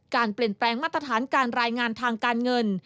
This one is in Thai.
การเปลี่ยนแปลงมาตรฐานการรายงานทางการเงิน